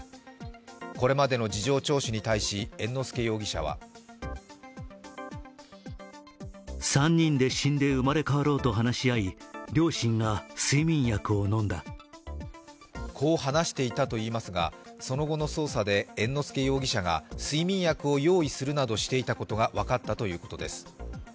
これまでの事情聴取に対し、猿之助容疑者はこう話していたといいますが、その後の捜査で猿之助容疑者が睡眠薬を用意するなどしていたことが分かったということです。